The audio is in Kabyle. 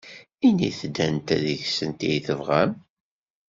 Init-d anta deg-sent ay tebɣam.